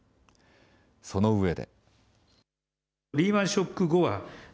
そのうえで。